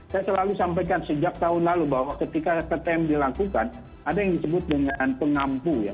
saya selalu sampaikan sejak tahun lalu bahwa ketika ptm dilakukan ada yang disebut dengan pengampu ya